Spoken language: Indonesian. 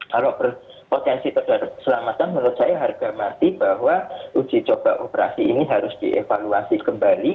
kalau berpotensi terhadap keselamatan menurut saya harga mati bahwa uji coba operasi ini harus dievaluasi kembali